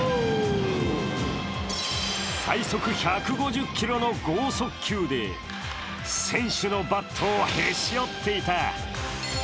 最速１５０キロの剛速球で選手のバットをへし折っていた。